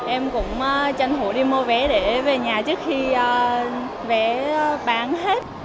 em cũng chân hổ đi mua vé để về nhà trước khi vé bán hết